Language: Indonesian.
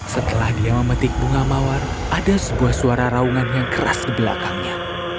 setelah dia memetik bunga mawar ada sebuah suara raungan yang keras di belakangnya